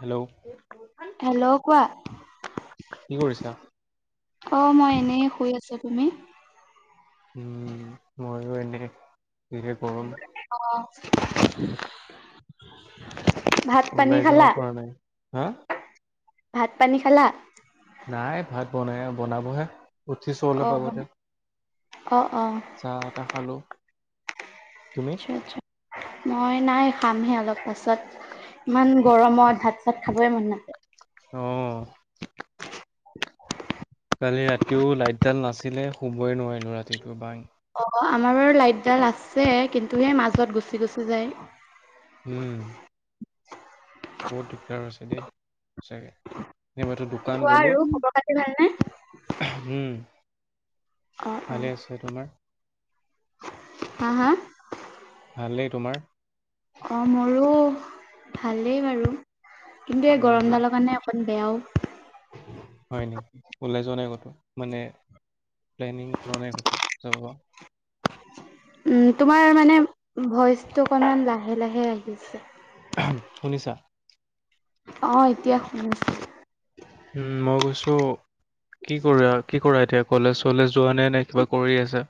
Hello hello কোৱা? কি কৰিছা? অ, মই এনে শুই আছো। তুমি? উম, মইও এনেই। অ', ভাত পানী ওলাই যাব খালা, পৰা নাই। হা ভাত পানী খালা? নাই ভাত বনাই বনাবহে। উঠিছোঁ অ অলপ আগতে। অ অ চাহ একাপ খালো। তুমি? আতচ্ছা, আতচ্ছা, মই নাই খামহে অলপ পাছত ইমান গৰমত ভাত চাত খাবয়ে মন নাযায়। অ', কালি ৰাতিও লাইটডাল নাছিলে, শুবই নোৱাৰিলো। ৰাতিটো বাই অ, আমাৰ বাৰ লাইটডাল আছে, কিন্তু সেই মাজত গুচি গুচি যায়। উম। বহুত দিগদাৰ হৈছে দেই। সঁচাকে, সেই মইতো দোকান কোৱা গ'লো। আৰু খবৰ খাতি ভালনে? উম, অ অ ভালে আছে, তোমাৰ? হা, হা? ভালেই তোমাৰ? অ, মোৰো ভালেই বাৰু, কিন্তু এই উম, গৰমডালৰ কাৰণে বেয়াও। হয় নেকি? উলাই যোৱা নাই ক'তো? মানে প্লেনিং কৰা নাই ক'তো যাব? উম, তোমাৰ মানে ভইচটো অকনমান লাহে লাহে আহিছে। শুনিছা? অহ, এতিয়া শুনছো। উম, মই গৈছো কি কৰিবা, কি কৰা এতিয়া কলেজ চলেজ যোৱা নাই নে কিবা কৰি আছা?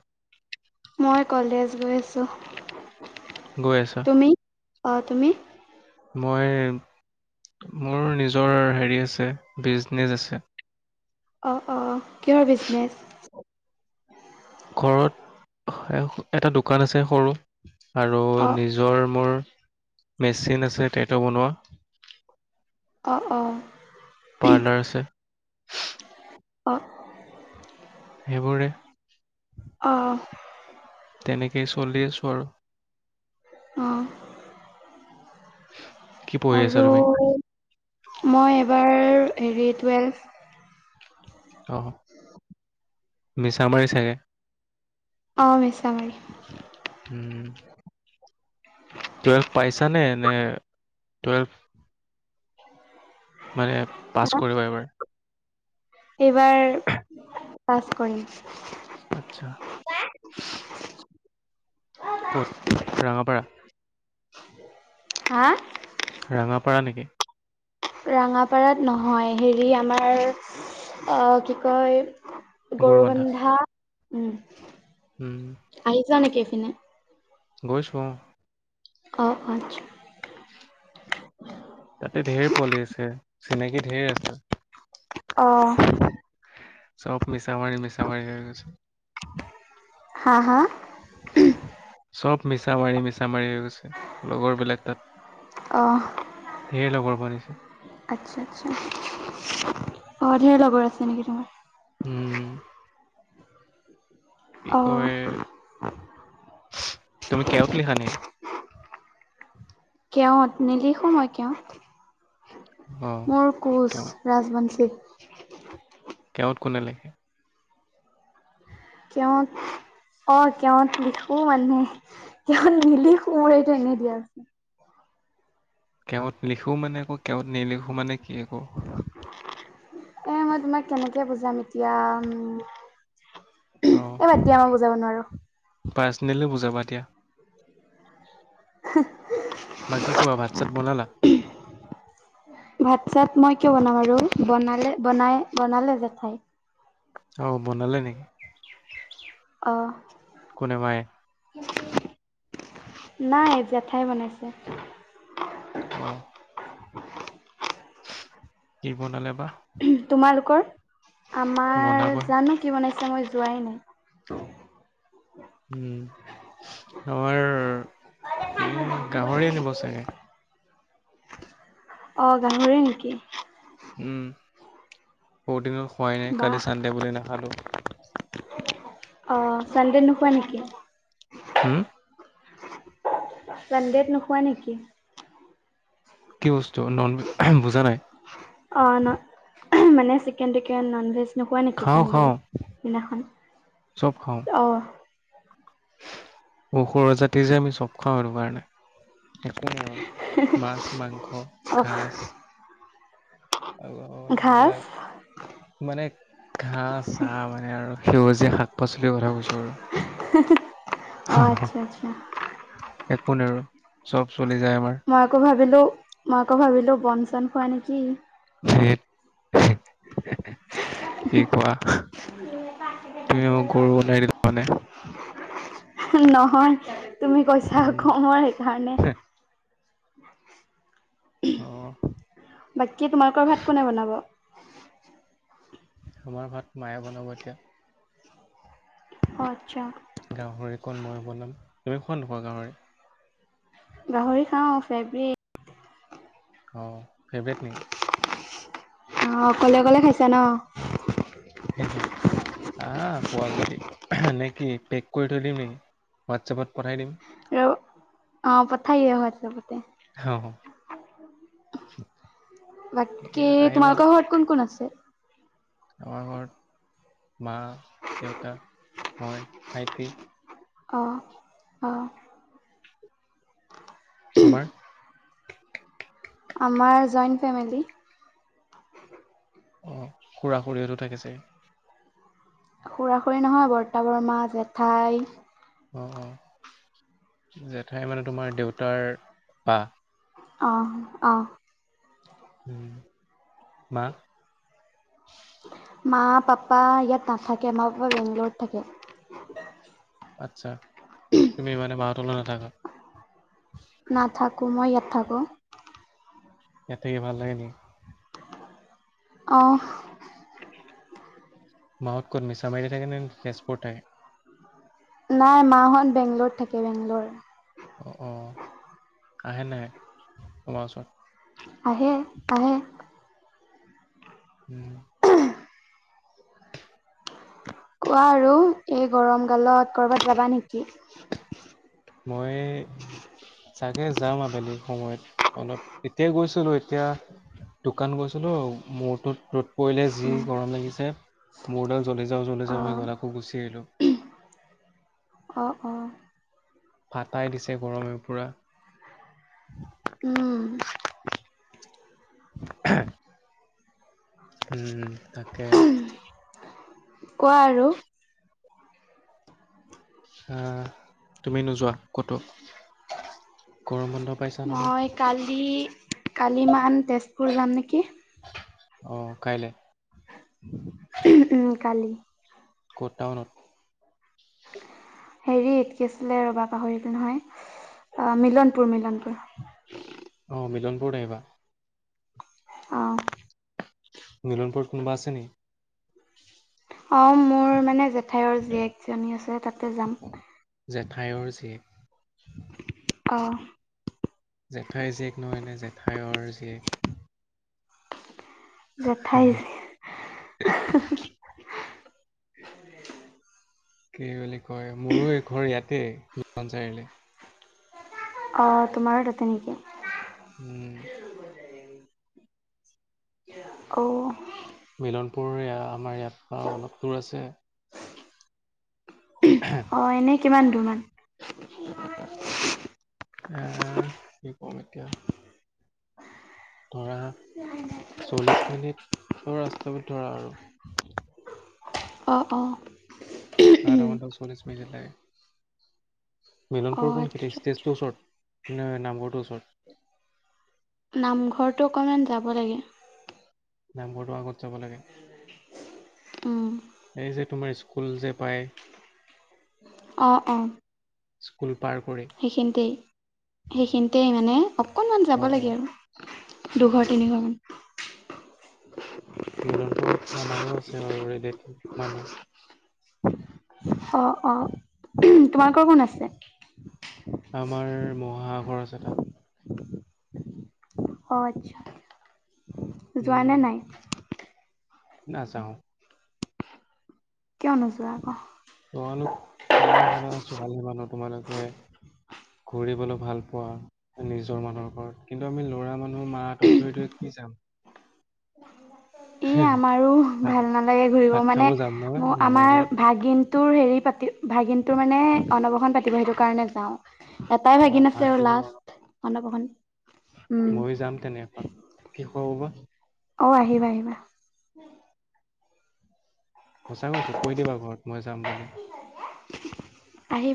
মই কলেজ গৈ আছোঁ। গৈ আছা? অ, তুমি? মই মোৰ নিজৰ হেৰি আছে, বিজনেছ আছে। অ, অ, কিহৰ বিজনেছ? ঘৰত এটা দোকান আছে সৰু। আৰু অঁ নিজৰ মোৰ মেচিন আছে টেটু বনোৱা। অ, অ। পাৰ্লাৰ আছে। অ। সেইবোৰে। অ',। তেনেকেই চলি আছো আৰু। অহ। কি পঢ়ি আছা আৰু তুমি মই এবাৰ হেৰি টুৱেলভ অহ মিছা মাৰি চাগে? মিছামাৰি। টুৱেলভ হ [inaudible] মানে পাছ হা কৰিব এইবাৰ? এইবাৰ পাছ কৰিম। আচ্ছা। ক'ত ৰাঙাপাৰা? হা? ৰাঙাপাৰা নেকি? ৰঙাপাৰাত নহয় হেৰি আমাৰ কি কয় গৰুবন্ধা উম,। হম। জান [unintelligible] নেকি এফিনে। গৈছো অ, অ, অ, তাতে ধঢেৰ পলি আছে চিনাকি ধঢেৰ আছে। আহ। চব মিছাৱাৰি মিছাৱাৰ হৈ গৈছে। হা হা? চ'ব মিছা মাৰি মিছা মাৰি হৈ গৈছে লগৰবিলাক তাত। অঁ ধঢৰ লগৰ পনি [unintelligible] আচ্ছা আচছা অ, ধেৰ লগৰ আছে নেকি তোমাৰ? উম। কি অ', কয় তুমি কেওত লিখা নেকী? কেওট নিলিখো মই কেওট। অ মোৰ কোঁচ কেওত ৰাজবংশী। কেওট কোনে লিখে? কৱ [unintelligible] অ, কেওট লিখো মানে কেৱত নিলি সোমৰে এইটো এনে দিয়া আছে। কেত লিখো মানে আকৌ কেৱত নিলিখো মানে কি আকৌ। এ মই তোমাক কেনেকে বুজাম এতিয়া উ অ এইবাদ দিয়া আমাক বুজাব নোৱাৰো পাৰ্চনেলি বুজাবা দিয়া বাকী কোৱা ভাত চাত বনালা ভাত চাত মই কিয় বনাম আৰু বনালে বনাই বনালে জেঠাই অ বনালে নেকি আহ কোনে মায়ে নাই জেঠাই বনাইছে আহ কি বনালে বা তোমালোকৰ আমাৰ বনাবই জানো কি মানে মই যোৱাই নাই উম আমাৰ এ গাহৰি আনিব চাগে অ গাহৰি নেকি উম বু [unintelligible] দনৰ খোৱাই নাই কালি বাহ, চানডে বুলি নাখালো অ চানডে নোখোৱা নেকি হম চানডেত নোখোৱা নেকি কি বস্তু ননজ [unintelligible] বুজা নাই অ' ন মানে চিকেন টিকেন ননভেজ এ নকোৱা নেকি খাওঁ চানডেই খাওঁ দিনাখন অ সুৰ জাতি যে আমি চব খাওঁ সটো কাৰণে একে সম মাছ মাংস অ' ঘচ আ ঘাজ এইবিলাক মানে ঘাঁ চাহ মানে আৰু সেউজীয়া শাক পাচলিৰ কথা কৈছো অ' আচ্ছা আচ্ছা একো ন আৰু চব চলি যায় আমাৰ মাকো ভাবিলো মাকো ভাবিলো বন চন খোৱা নেকি কি কোৱা তুমি মোক গৰু নাই দিল মানে নহয় তুমি কৈছা উম কম আৰু সেইকাৰণে আহ বাকী তোমালোকৰ ভাত কোনে বনাব আমাৰ ভাত মায়ে বনাব এতিয়া আচ্ছা গাহৰি কণ মই বনাম তুমি শোৱা নখোৱা গাহৰি ফেব্ৰ অ ফেভৰেট নাই অঁ অকলে অকলে খাইছা ন হ খোৱা যদি নে কি পেক কৰি থৈ দিম নেকি হোৱাটছএপত পঠাই দিম আৰু অ পথাইেহ চ হ বাকী কে আহিবা তোমালোক হট কোন কোন আছে আমাৰ ঘৰত মা দেউতা মই ভাইটি আহঁ অ তোমাৰ আমাৰ জইণ্ট ফেমিলি অ খুৰা খৰিয়তো থাকেছে খুৰা খুৰী নহয় বৰ্ত বৰমা জেঠাই অ, অ, জেঠাইৰ মানে তোমাৰ দেউতাৰ বা? আহ, আহ। উম মা মা পাপা ইয়াত নাথাকে মা পাপা বেংগলত থাকে। আচ্ছা তুমি ইমানে মা হঁতৰ লগত নাথাকা? নাথাকো মই ইয়াত থাকো। ইয়াতে ভাল লাগে নেকি? আহ। মাহত ক'ত মিছামাৰি থাকে নে তেজপুৰ থাকে? নাই মাহত বেংগলত থাকে বেংগলৰ। অ অ আহে নাই তোমাৰ ওচৰত? আহে, আহে। উম। কোৱা আৰু এই গৰম কালত কৰবাত যাবা নেকি? মই চাগে যাম আবেলি সময়ত অলপ এতিয় গৈছিলো এতিয়া দোকান গৈছিলো মূৰটোত কৰিলে যি গৰম লাগিছে মূডাল জ্বলি যাওঁ জ্বলি যাওঁ হৈ অ' গ'লাকো গুচি আহিলোঁ। অঁ, অঁ,। ফাটাই দিছে গৰমে পুৰা। উম। [unintelligible] উম, তাকে। কোৱা আৰু? আহ তুমি নোযোৱা ক'তো? গৰম বন্ধ পাইছা নহয় মই কালি কালিমান তেজপুৰ যাম নেকি। অ, কাইলৈ? উম, কালি। ক'ত টাউনত? হেৰি এ কি আছিলে ৰবা পাহৰিল নহয় অ, মিলনপুৰ মিলনপুৰ। আহ মিলনপুৰ আহিবা। অ। মিলনপুৰত কোনোবা আছে নি? অ, মোৰ মানে জেঠাইৰ জীয়েকজনী আছে তাতে যাম। জেঠাইৰ জীয়েক। আহ। জেঠাইৰ জীয়েক নহয় এনে জেঠাইৰ জীয়েক। জেঠাই [unintelligible] [unintelligible] কি বুলি কয় মোৰো এই ঘৰ ইয়াতে চাৰিআলি। অঁ, তোমাৰো তাতে নেকি? উম। অ,। মিলনপুৰ আমাৰ ইয়াত পৰা অলপ দূৰ আছে। অ, এনে কিমান দোৰমান? [unintelligible] আহ কি ক'ম এতিয়া। ধৰা চল্লিছ মিনিট। তৰ ৰাস্তবিধ ধৰা আৰু। অঁ, অঁ,। অ ৰ দ চোৱলিছ মিট লাগে মিলনপুৰ অ', কোনখেতি আচ্ছা আচ্ছা। ষ্টেজটোৰ ওচৰত ন নাম্বৰটোৰ ওচৰত নামঘৰটো অকণমান যাব লাগে নাম্বৰটো আগত যাব লাগে উম, এই যে তোমাৰ স্কুল যে পায় অঁ অঁ স্কুল পাৰ কৰি সেইখিনিতে সেইখিনিতে মানে অকনমান যাব অ অ লাগে আৰু অ দুঘৰ তিনি ঘৰ মান মিলনপুৰত আমাৰো আছে আৰু মানুহ অ অ তোমালোকৰ কোন আছে স অ আচ্ছা যোৱা উম নে নাই নাযাওঁ ক নছো আকৌ তোমালোক তোমালোক শুনাছোৱালে মানুহ তোমালোকে ঘুৰিবলৈ ভাল পোৱা নিজৰ মানুহৰ ওৰত কিন্তু আমি লৰা মানুহৰ মাৰ হাতত ধৰি থ যাম ই আমাৰো ভাত ভাল নালাগে ঘূৰিব ভাত খাব মানে যাম নে ম মানুহৰ আমাৰ ঘৰত ভাগিন তোৰ হেৰি পাতি ভাগিনটোৰ মানে অনবসন পাতিব সেইটো কাৰণে যাওঁ এটাই অ ভাগি ভাত নাছে আৰু লাষ্ট অপসন ময় যাম তেনেকুৱাক কি ক বা অ আহিবা আহিবা। সঁচাক কৈছো কৈ দিবা ঘৰত মই যাম বুলি।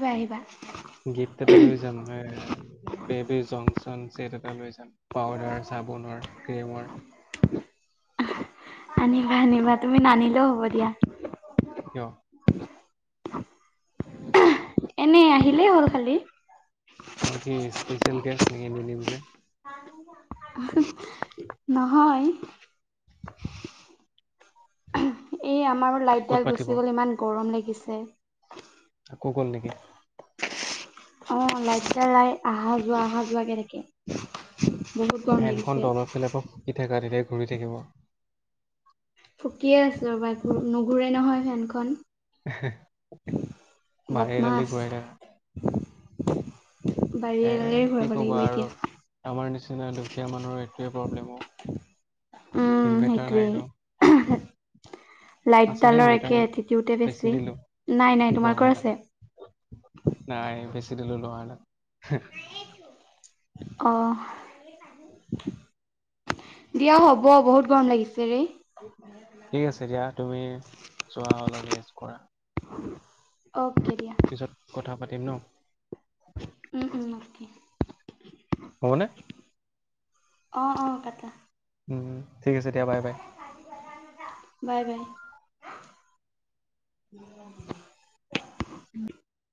আহিব আহিব। গিফ্ট এটা লৈ যাম বেবি জংচন চছেট এটা লৈ যাম। পাউদাৰ, চাবোনৰ আৰু ক্ৰ্ৰীমৰ। আনিবা, আনিবা তুমি নানিলেও হ'ব দিয়া। কিয়। এনে আহিলেই হ'ল খালি। মই কি স্পেচিয়েল গষ্ট নেকি নিিলম যে? নহয় [inaudible] এই আমাৰো ক'ত লাইটডাইল পাতিব গুচি গ'ল ইমান গৰম লাগিছে। আকৌ গ'ল নেকি? অ' লাইটাই লাই অহা যোৱা অহাত লাগি থাকে। বহুত গৰম ফেনখন লাগিছে। তলৰফালৰ পৰা শুকি থকা তেিলে ঘূৰি থাকিব। ফুকিয়ে আছো ৰব নুঘূৰে নহয় ফেনখন। বাৰী দালি ঘূৰাই থাকা। বাহি এ কি ঘূৰাব ক'বা লাগিব আৰু এতিয়া। আমাৰ নিচিনা দুখীয়া মানুহৰ এইটোৱে প্ৰব্লেম অ উম, ইনভাৰ্টাৰ নাই ন। লাইট আছিলে ডালৰ ইনভাৰ্টাৰ একে এটিটিউডে বেছি। নাই নাই তোমাৰ লোহাৰ কৰ আদাত আছে? নাই বেছি দিলো লহোৱা নাই। অ'। দিয়া হ'ব বহুত গৰম লাগিছে। ৰে। ঠিক আছে দিয়া তুমি যোৱা অলপ ৰেষ্ট কৰা। অ'। পিছত কথা পাতিম ন। উম, [inaudible] হবনে? অ' অ' কটা। উম, ঠিক আছে দিয়া, বাই বাই। Bye bye. [inaudible]